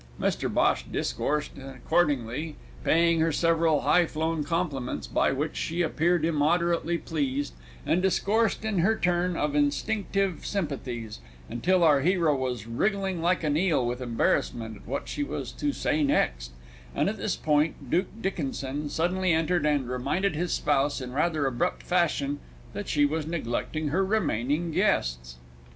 Mr Bhosh discoursed accordingly, paying her several high flown compliments by which she appeared immoderately pleased, and discoursed in her turn of instinctive sympathies, until our hero was wriggling like an eel with embarrassment at what she was to say next, and at this point Duke Dickinson suddenly entered and reminded his spouse in rather abrupt fashion that she was neglecting her remaining guests.